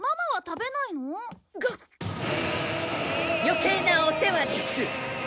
余計なお世話です。